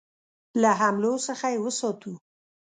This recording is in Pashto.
له حملو څخه یې وساتو.